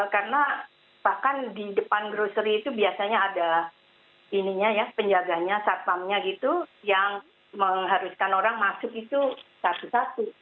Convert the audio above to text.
karena bahkan di depan grocery itu biasanya ada penjaganya sarpamnya gitu yang mengharuskan orang masuk itu satu satu